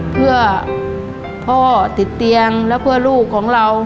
เพื่อพ่อติดเตียงและเพื่อลูกของเรา